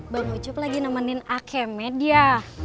bang ucup lagi nemenin a'a keme dia